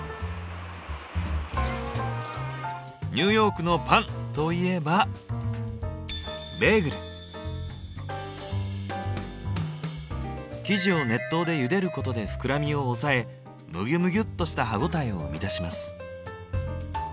「ニューヨークのパン！」といえば生地を熱湯でゆでることで膨らみを抑えムギュムギュっとした歯応えを生み出します。